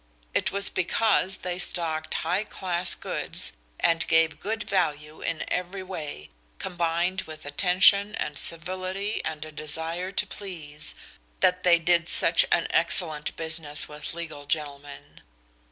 It was because they stocked high class goods and gave good value in every way, combined with attention and civility and a desire to please, that they did such an excellent business with legal gentlemen.